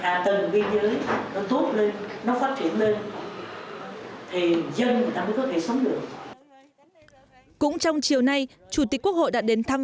để làm đường ra biên giới giúp giao thông đi lại thuận tiện góp phần phát triển kinh tế